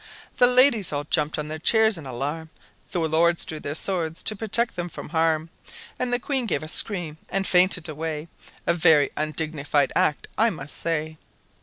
The ladies all jumped on their chairs in alarm, The lords drew their swords to protect them from harm, And the Queen gave a scream and fainted away A very undignified act, I must say.